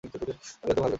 তাহলে তো ভালোই।